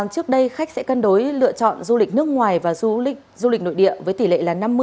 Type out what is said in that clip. trước đây khách sẽ cân đối lựa chọn du lịch nước ngoài và du lịch nội địa với tỷ lệ là năm mươi